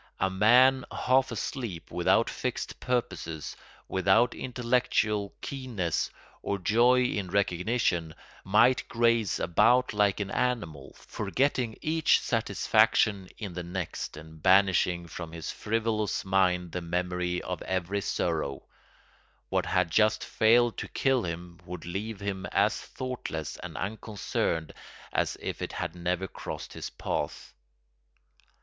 A man half asleep, without fixed purposes, without intellectual keenness or joy in recognition, might graze about like an animal, forgetting each satisfaction in the next and banishing from his frivolous mind the memory of every sorrow; what had just failed to kill him would leave him as thoughtless and unconcerned as if it had never crossed his path.